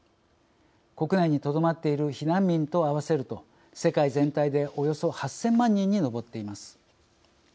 国内にとどまっている避難民と合わせると世界全体でおよそ８，０００万人に上っています。